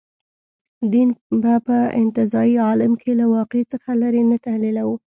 دین به په انتزاعي عالم کې له واقع څخه لرې نه تحلیلوو.